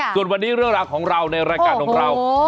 ส่วนวันนี้เรื่องราวของเราในรายการของเรา